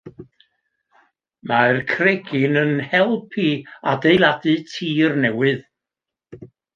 Mae'r cregyn yn help i adeiladu tir newydd.